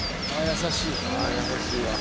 優しいわ。